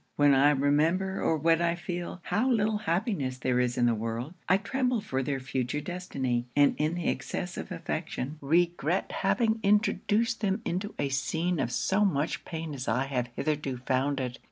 When I remember, or when I feel, how little happiness there is in the world, I tremble for their future destiny; and in the excess of affection, regret having introduced them into a scene of so much pain as I have hitherto found it.